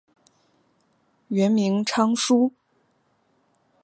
原名昌枢。